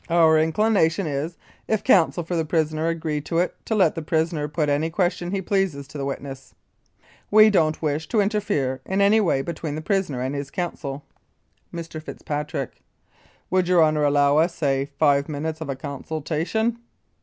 Our inclination is, if counsel for the prisoner agree to it, to let the prisoner put any questions he pleases to the witness. We don't wish to interfere in any way between the prisoner and his counsel. Mr. FITZPATRICK: Would your Honour allow us, say, five minutes of a consultation?